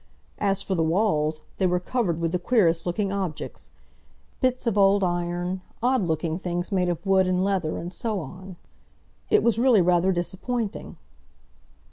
.. As for the walls, they were covered with the queerest looking objects; bits of old iron, odd looking things made of wood and leather, and so on. It was really rather disappointing.